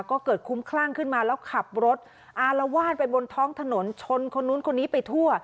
ก็เกิดคุ้มคลั่งขึ้นมาแล้วขับรถอารวาสไปบนท้องถนนชนคนนู้นคนนี้ไปทั่ว